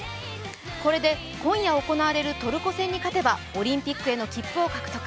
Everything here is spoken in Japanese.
これで今夜行われるトルコ戦に勝てばオリンピックへの切符を獲得。